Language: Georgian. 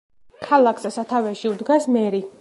ქალაქს სათავეში უდგას მერი.